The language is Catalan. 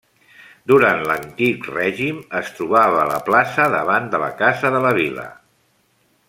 Durant l'antic règim es trobava a la plaça davant de la Casa de la Vila.